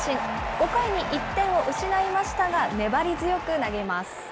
５回に１点を失いましたが、粘り強く投げます。